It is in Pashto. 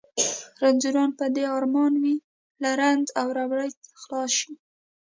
رنځوران په دې ارمان وي له رنځ او ربړې خلاص شي.